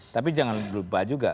tapi jangan lupa juga